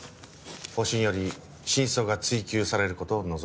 保身より真相が追及される事を望みました。